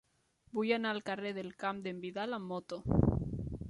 Vull anar al carrer del Camp d'en Vidal amb moto.